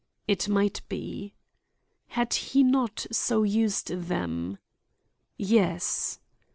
It might be. Had he not so used them? Yes.